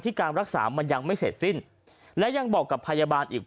การรักษามันยังไม่เสร็จสิ้นและยังบอกกับพยาบาลอีก